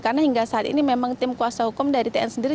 karena hingga saat ini memang tim kuasa hukum dari tn sendiri